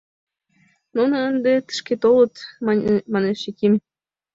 — Нуно ынде тышке толыт, — манеш Яким.